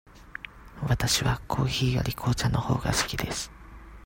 わたしはコーヒーより紅茶のほうが好きです。